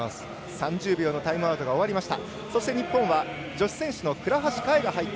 ３０秒のタイムアウトが終わりました。